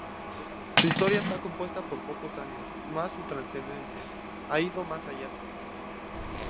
Su historia está compuesta por pocos años más su trascendencia ha ido más allá.